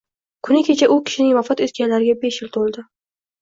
Kuni kecha u kishining vafot etganlariga besh yil to‘ldi.